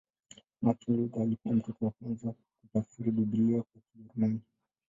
Martin Luther alikuwa mtu wa kwanza kutafsiri Biblia kwa Kijerumani.